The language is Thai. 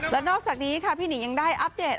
และนอกจากนี้ค่ะพี่หนิงยังได้อัปเดต